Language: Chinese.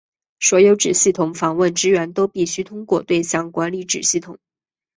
所有子系统访问资源都必须通过对象管理子系统。